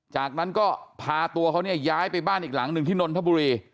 จากนั้นก็พาตัวเขาเนี่ยย้ายไปบ้านอีกหลังหนึ่งที่นนทบุรี